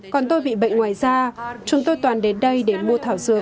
còn tôi bị bệnh ngoài da chúng tôi toàn đến đây để mua thảo dược